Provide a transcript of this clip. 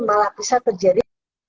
malah bisa terjadi